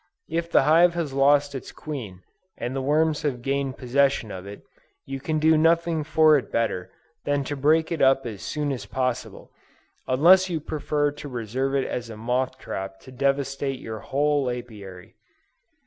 If the hive has lost its queen, and the worms have gained possession of it, you can do nothing for it better than to break it up as soon as possible, unless you prefer to reserve it as a moth trap to devastate your whole Apiary.